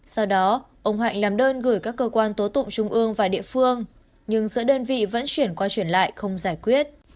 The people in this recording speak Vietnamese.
sau đó ông hạnh làm đơn gửi các cơ quan tố tụng trung ương và địa phương nhưng giữa đơn vị vẫn chuyển qua chuyển lại không giải quyết